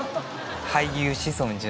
「俳優・志尊淳」